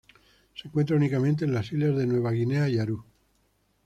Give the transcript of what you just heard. Se encuentra únicamente en las islas de Nueva Guinea y Aru.